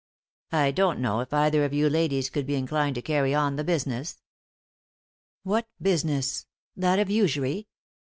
I don't know if either of you ladies would be inclined to carry on the business ?"" What business ? That of usury